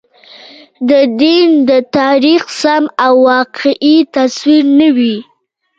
د دین د تاریخ سم او واقعي تصویر نه وي.